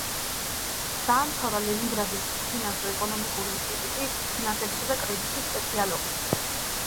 დაამთავრა ლენინგრადის საფინანსო-ეკონომიკური ინსტიტუტი, ფინანსებისა და კრედიტის სპეციალობით.